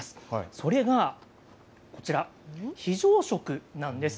それがこちら、非常食なんです。